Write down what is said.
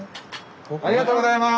ありがとうございます。